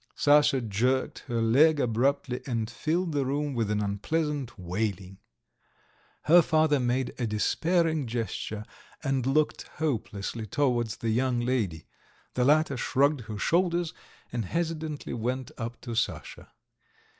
Sasha jerked her leg abruptly and filled the room with an unpleasant wailing. Her father made a despairing gesture, and looked hopelessly towards the young lady. The latter shrugged her shoulders, and hesitatingly went up to Sasha.